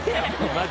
マジ。